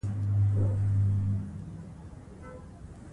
د واک ناوړه استعمال په افغانستان کې بې باورۍ او شخړې زیاتوي